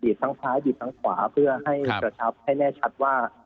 ทั้งซ้ายบีบทั้งขวาเพื่อให้กระชับให้แน่ชัดว่า